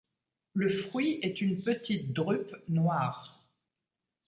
Le fruit est une petite drupe noire.